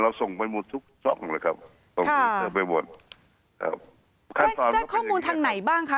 เราส่งไปหมดทุกซ่องเลยครับค่ะไปหมดครับแจ้งข้อมูลทางไหนบ้างคะ